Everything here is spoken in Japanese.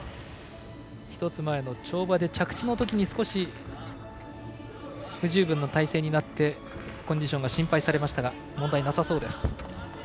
１つ前の跳馬で着地のときに少し不十分な体勢になってコンディションが心配でしたが問題なさそうです。